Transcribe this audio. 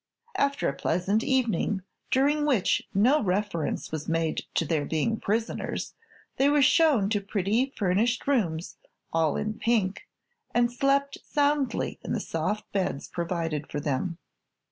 After a pleasant evening, during which no reference was made to their being prisoners, they were shown to prettily furnished rooms all in pink and slept soundly in the soft beds provided for them.